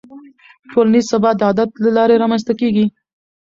ټولنیز ثبات د عدالت له لارې رامنځته کېږي.